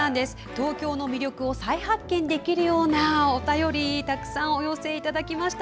東京の魅力を再発見できるようなお便りたくさんお寄せいただきました。